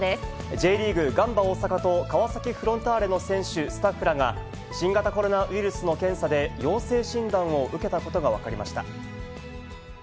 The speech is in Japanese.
Ｊリーグ・ガンバ大阪と川崎フロンターレの選手、スタッフらが、新型コロナウイルスの検査で陽性診断を受けたことが分かりました。